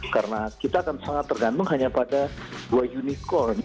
karena kita akan sangat tergantung hanya pada dua unicorn